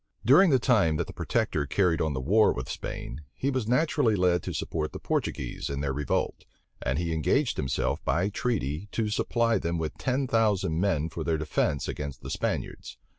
During the time that the protector carried on the war with Spain, he was naturally led to support the Portuguese in their revolt; and he engaged himself by treaty to supply them with ten thousand men for their defence against the Spaniards.